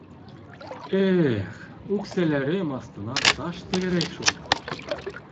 Э-эх, үксәләрем аҫтынан таш тәгәрәй шул.